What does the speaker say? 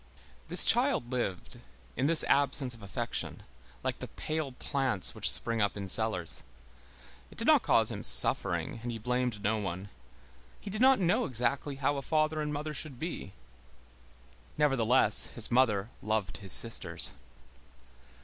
This child lived, in this absence of affection, like the pale plants which spring up in cellars. It did not cause him suffering, and he blamed no one. He did not know exactly how a father and mother should be. Nevertheless, his mother loved his sisters.